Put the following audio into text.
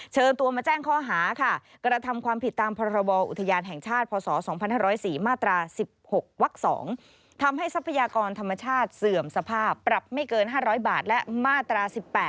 เสื่อมสภาพปรับไม่เกิน๕๐๐บาทและมาตรา๑๘